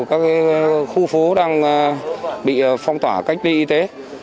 các khu phố đang bị phong tỏa cách ly y tế